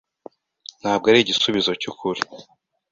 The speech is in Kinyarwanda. Ntabwo ari igisubizo cyukuri.